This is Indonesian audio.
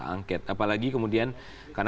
angket apalagi kemudian karena